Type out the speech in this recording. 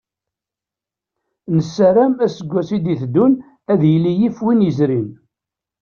Nassaram aseggas i d-iteddun ad yili yif win yezrin.